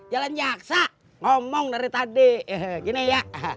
jalan jaksa ngomong dari tadi gini ya